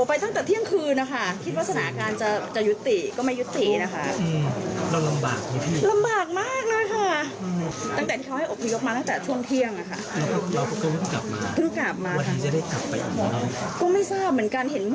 อันนี้เพิ่งเข้าบ้านครับ